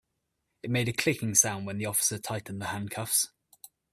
It made a clicking sound when the officer tightened the handcuffs.